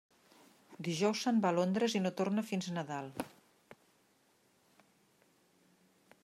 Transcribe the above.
Dijous se'n va a Londres i no torna fins Nadal.